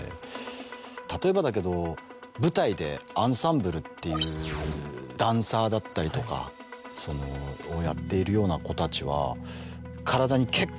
例えばだけど舞台でアンサンブルっていうダンサーだったりとかをやっているような子たちは。